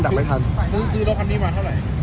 สวัสดีครับคุณผู้ชาย